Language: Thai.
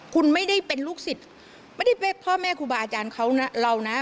คุณไม่ได้เป็นลูกศิษย์ไม่ได้พ่อแม่ครูบาอาจารย์เขานะเรานะ